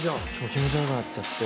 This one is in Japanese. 気持ち悪くなっちゃって。